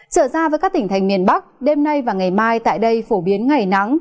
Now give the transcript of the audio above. trở ra với các tỉnh thành miền bắc đêm nay và ngày mai tại đây phổ biến ngày nắng